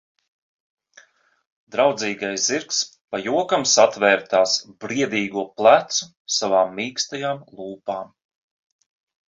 Draudzīgais zirgs pa jokam satvēra tās briedīgo plecu savām mīkstajām lūpām.